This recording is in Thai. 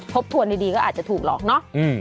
บทวนดีก็อาจจะถูกหลอกเนาะ